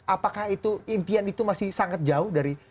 apakah itu impian itu masih sangat jauh dari